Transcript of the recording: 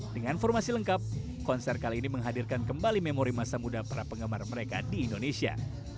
dengan formasi lengkap konser kali ini menghadirkan kembali memori masa muda para penggemar mereka di indonesia